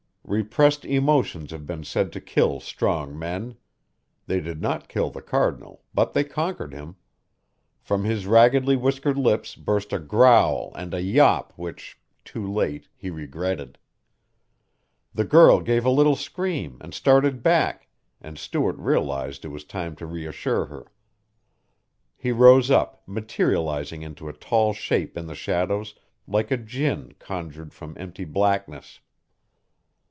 Repressed emotions have been said to kill strong men. They did not kill the Cardinal, but they conquered him. From his raggedly whiskered lips burst a growl and a yawp which, too late, he regretted. The girl gave a little scream and started back and Stuart realized it was time to reassure her. He rose up, materializing into a tall shape in the shadows like a jinn conjured from empty blackness.